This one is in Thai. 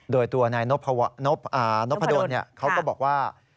โดยตัวนายนกพะดนเนี่ยเขาก็บอกว่า